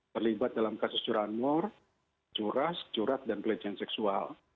terlibat dalam kasus curah nur curah curat dan pelecehan seksual